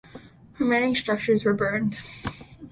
Remaining structures were burned.